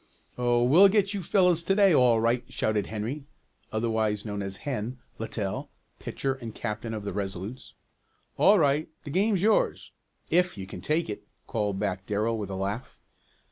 "Oh, we'll get you fellows to day all right!" shouted Henry (otherwise known as Hen) Littell, pitcher and captain of the Resolutes. "All right, the game's yours if you can take it," called back Darrell, with a laugh.